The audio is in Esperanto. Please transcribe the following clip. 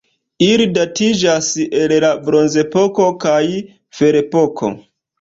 Ili datiĝas el la bronzepoko kaj ferepoko.